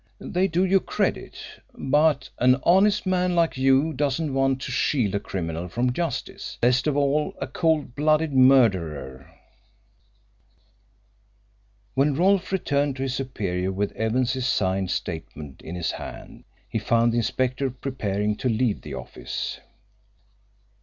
They do you credit. But an honest man like you doesn't want to shield a criminal from justice least of all a cold blooded murderer." When Rolfe returned to his superior with Evans's signed statement in his hand, he found the inspector preparing to leave the office.